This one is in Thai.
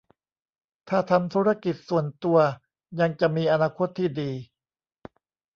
ถ้าทำธุรกิจส่วนตัวยังจะมีอนาคตที่ดี